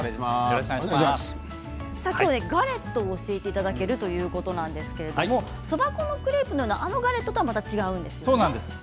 きょうはガレットを教えていただけるということなんですけれどもそば粉のクレープのようなあのガレットとはまた違うものなんですね。